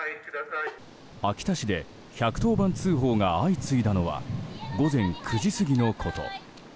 秋田市で１１０番通報が相次いだのは午前９時過ぎのこと。